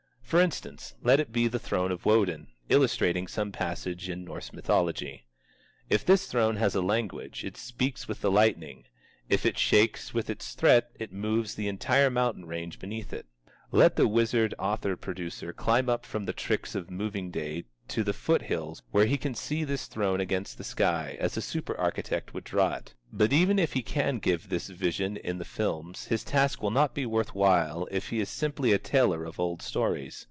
For instance, let it be the throne of Wodin, illustrating some passage in Norse mythology. If this throne has a language, it speaks with the lightning; if it shakes with its threat, it moves the entire mountain range beneath it. Let the wizard author producer climb up from the tricks of Moving Day to the foot hills where he can see this throne against the sky, as a superarchitect would draw it. But even if he can give this vision in the films, his task will not be worth while if he is simply a teller of old stories.